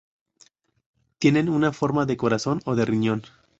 Tienen una forma de corazón o de riñón.